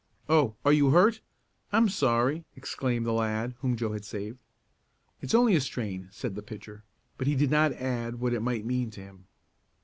"Oh, are you hurt? I'm sorry!" exclaimed the lad whom Joe had saved. "It's only a strain," said the pitcher, but he did not add what it might mean to him.